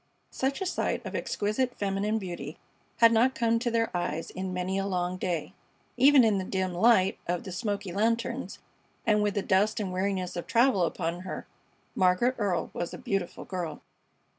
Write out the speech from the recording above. Such a sight of exquisite feminine beauty had not come to their eyes in many a long day. Even in the dim light of the smoky lanterns, and with the dust and weariness of travel upon her, Margaret Earle was a beautiful girl.